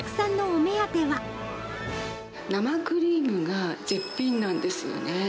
生クリームが絶品なんですよね。